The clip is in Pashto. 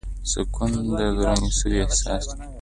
سکون د دروني سولې احساس دی.